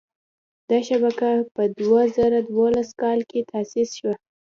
دا شبکه په دوه زره دولسم کال کې تاسیس شوه.